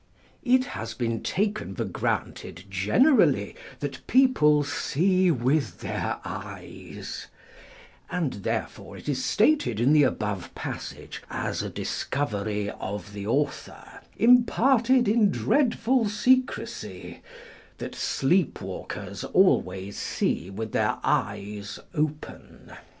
It has been taken for granted generally that people see with their eyes ; and therefore it is stated in the above passage as a discovery of the author, " imparted in dreadful secresy," that sleep walkers always see with their eyes open.